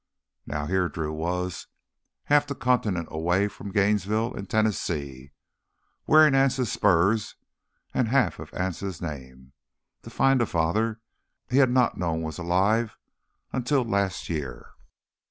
Now here Drew was, half the continent away from Gainesville and Tennessee, wearing Anse's spurs and half of Anse's name—to find a father he had not known was still alive, until last year.